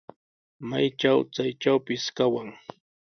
Maytraw chaytrawpis kawan.